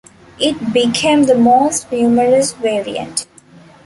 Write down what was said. It became the most numerous variant.